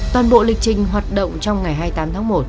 toàn bộ lịch trình hoạt động trong ngày hai mươi tám tháng một